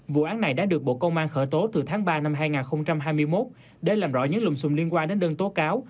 vụ án này đã được bộ công an khởi tố từ tháng ba năm hai nghìn hai mươi một để làm rõ những lùm xùm liên quan đến đơn tố cáo